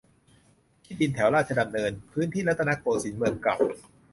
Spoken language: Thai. ที่ดินแถวราชดำเนิน พื้นที่รัตนโกสินทร์ เมืองเก่า